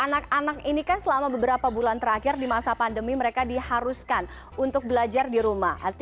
anak anak ini kan selama beberapa bulan terakhir di masa pandemi mereka diharuskan untuk belajar di rumah